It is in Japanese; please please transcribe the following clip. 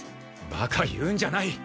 バカ言うんじゃない！